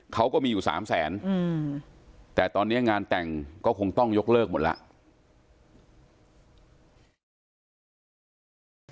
เขาก็มีอยู่๓แสนแต่ตอนนี้งานแต่งก็คงต้องยกเลิกหมดแล้ว